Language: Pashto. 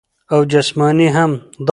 او جسماني هم -